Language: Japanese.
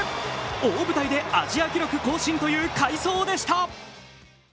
大舞台でアジア記録更新という快走でした。